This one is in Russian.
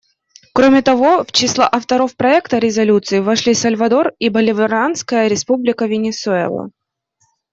Кроме того, в число авторов проекта резолюции вошли Сальвадор и Боливарианская Республика Венесуэла.